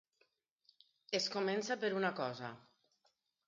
Es comença per una cosa.